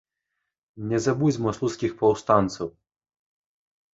Не забудзьма слуцкіх паўстанцаў!